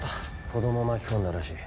子ども巻き込んだらしい。